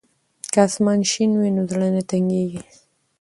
که اسمان شین وي نو زړه نه تنګیږي.